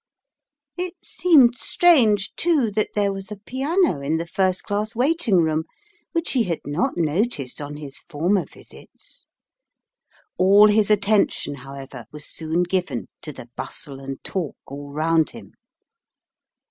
It seemed strange, too, that there was a piano in the first class waiting room, which he had not noticed on his former visits. All his atten tion, however, was soon given to the bustle and talk all round him.